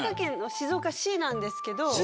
静岡市なんですよ。